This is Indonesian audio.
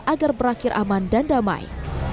agar berakhir aman dan damai